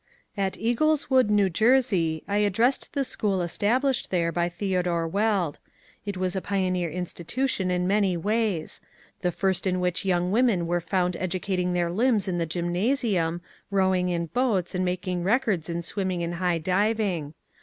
At Eagleswood, N. J., I addressed the school established there by Theodore Weld. It was a pioneer institution in many ways, — the first in which young women were found educating their limbs in the gymnasium, rowing in boats, and making ^ records ' in swimming and high diving.